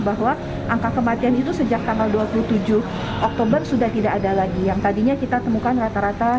bahwa angka kematian itu sejak tanggal dua puluh tujuh oktober sudah tidak ada lagi yang tadinya kita temukan rata rata